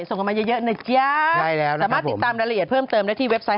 ส่งกันมาเยอะนะจ๊ะสามารถติดตามรายละเอียดเพิ่มเติมได้ที่เว็บไซต์